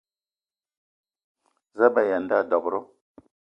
Za a be aya a nda dob-ro?